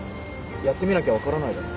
やってみなきゃ分からないだろ。